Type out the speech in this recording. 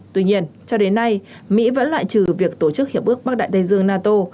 tuy nhiên cho đến nay mỹ vẫn loại trừ việc tổ chức hiệp ước bắc đại tây dương nato